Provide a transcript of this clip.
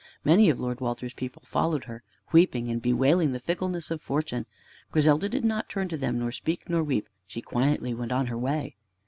Many of Lord Walter's people followed her, weeping and bewailing the fickleness of fortune. Griselda did not turn to them, nor speak, nor weep. She quietly went on her way.